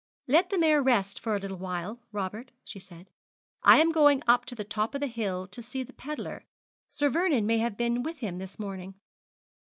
'Let the mare rest for a little while, Robert,' she said;' I am going up to the top of the hill to see the pedlar Sir Vernon may have been with him this morning.'